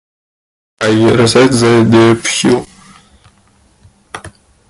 He received the D. Phil.